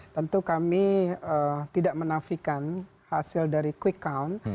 tentu kami tidak menafikan hasil dari quick count